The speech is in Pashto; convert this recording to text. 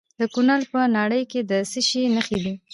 د کونړ په ناړۍ کې د څه شي نښې دي؟